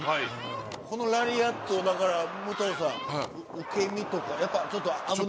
このラリアット、だから、武藤さん、受け身とか、やっぱちょっと。